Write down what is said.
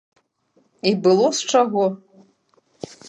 І было з чаго!